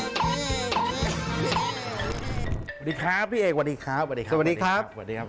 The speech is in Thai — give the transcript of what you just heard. สวัสดีครับพี่เอกสวัสดีครับสวัสดีครับสวัสดีครับสวัสดีครับ